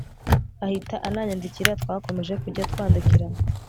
ahita ananyandikira twakomeje kujya twandikirana